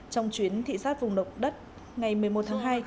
trong chuyến thị xác vùng độc đất ngày một mươi một tháng hai